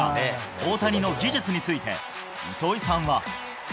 大谷の技術について、糸井さんは。